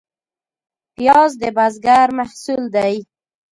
پیاز د بزګر محصول دی